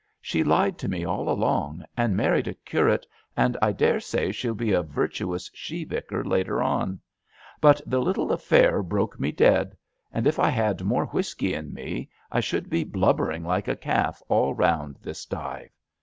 She lied to me all along, and married a curate, and I dare say she'll be a virtuous she vicar later on; but the little affair broke me dead, and if I had more whisky in me I should be blubbering like a calf all round this Dive.